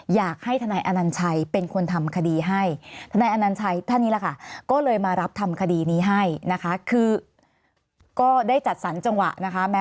อยากให้ทนายอนัญชัยเป็นคนทำคดีให้ทนายอนัญชัยท่านนี้แหละค่ะก็เลยมารับทำคดีนี้ให้นะคะคือก็ได้จัดสรรจังหวะนะคะ